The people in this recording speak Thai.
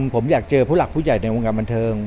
ผมอยากเจอผู้หลักผู้ใหญ่ในวงการบันเทิง